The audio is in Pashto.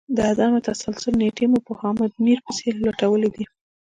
د عدم تسلسل نیټې مو په حامد میر پسي لټولې دي